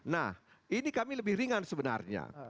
nah ini kami lebih ringan sebenarnya